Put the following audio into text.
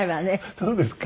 そうですか？